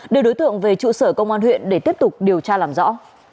đưa đối tượng về trụ sở công an huyện để tiếp tục điều tra làm rõ